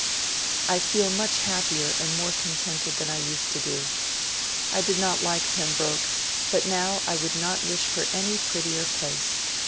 I feel much happier and more contented than I used to do. I did not like Pembroke, but now I would not wish for any prettier place.